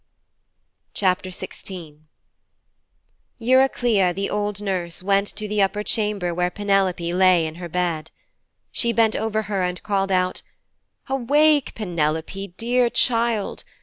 XVI Eurycleia, the old nurse, went to the upper chamber where Penelope lay in her bed. She bent over her and called out, 'Awake, Penelope, dear child.